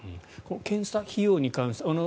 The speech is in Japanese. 検査費用に関して。